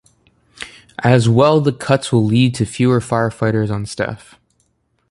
As well the cuts will lead to fewer firefighters on staff.